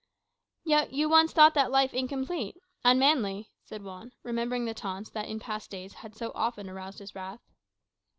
"Yet you once thought that life incomplete, unmanly," said Juan, remembering the taunts that in past days had so often aroused his wrath.